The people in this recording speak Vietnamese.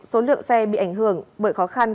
số lượng xe bị ảnh hưởng bởi khó khăn